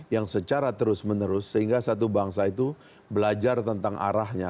yang secara terus menerus sehingga satu bangsa itu belajar tentang arahnya